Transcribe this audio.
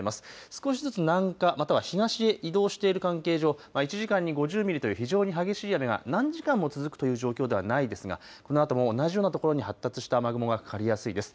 少しずつ南下、または東へ移動している関係上、１時間に５０ミリという非常に激しい雨が何時間も続くという状況ではないですがこのあとも同じようなところに発達した雨雲がかかりやすいです。